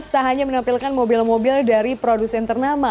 tak hanya menampilkan mobil mobil dari produsen ternama